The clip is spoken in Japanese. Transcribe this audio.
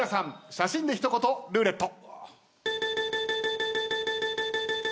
写真で一言ルーレット。